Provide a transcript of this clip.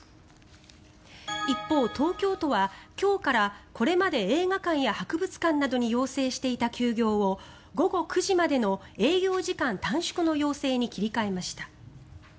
一方、東京都はこれまで映画館や博物館などに要請していた休業を午後９時までの営業時間短縮の要請に切り替えました。